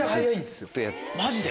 マジで？